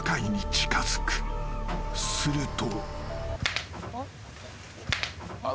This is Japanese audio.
［すると］